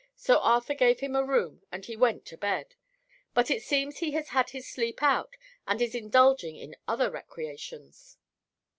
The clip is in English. So Arthur gave him a room and he went to bed; but it seems he has had his sleep out and is indulging in other recreations."